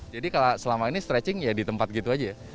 jadi kalau selama ini stretching ya di tempat gitu aja ya